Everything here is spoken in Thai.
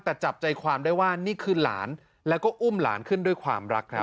แต่จับใจความได้ว่านี่คือหลานแล้วก็อุ้มหลานขึ้นด้วยความรักครับ